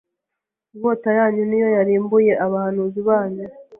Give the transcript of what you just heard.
inkota yanyu ni yo yarimbuye abahanuzi banyu